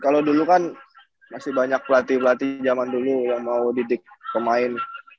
kalau dulu kan masih banyak pelatih pelatih zaman dulu yang mau didik pemain